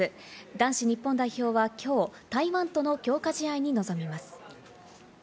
男子日本代表はきょう、台湾との強化試合に臨みます。